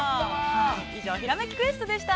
以上、「ひらめきクエスト」でした。